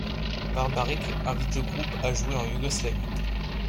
Barbaric invite le groupe à jouer en Yougoslavie.